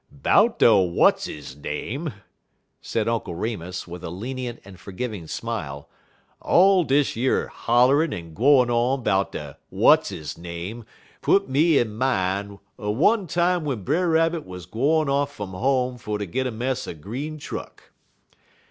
"'Bout de watsizname," said Uncle Remus, with a lenient and forgiving smile, "all dish yer hollerin' en gwine on 'bout de watsizname put me in min' er one time w'en Brer Rabbit wuz gwine off fum home fer ter git a mess er green truck.